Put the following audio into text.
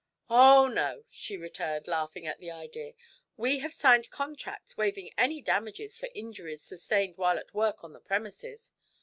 "Oh, no," she returned, laughing at the idea. "We have signed contracts waiving any damages for injuries sustained while at work on the premises.